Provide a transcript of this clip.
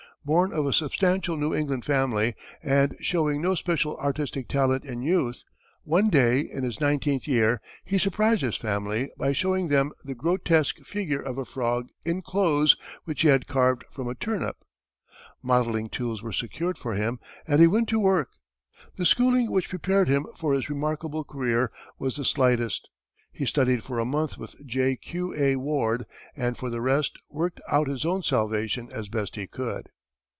Born of a substantial New England family, and showing no especial artistic talent in youth, one day, in his nineteenth year, he surprised his family by showing them the grotesque figure of a frog in clothes which he had carved from a turnip. Modelling tools were secured for him, and he went to work. The schooling which prepared him for his remarkable career was of the slightest. He studied for a month with J. Q. A. Ward, and for the rest, worked out his own salvation as best he could.